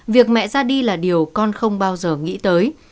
việc mẹ ra đi là điều con không bao giờ nghĩ tới